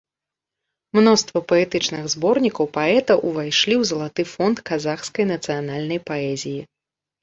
Мноства паэтычных зборнікаў паэта ўвайшлі ў залаты фонд казахскай нацыянальнай паэзіі.